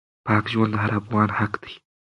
پاک ژوند د هر افغان حق دی.